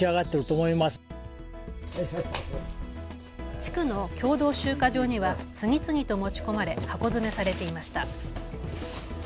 地区の共同集荷場には次々と持ち込まれ箱詰めされていました。